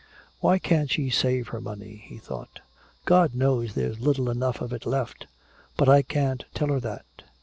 "Why can't she save her money?" he thought. "God knows there's little enough of it left. But I can't tell her that.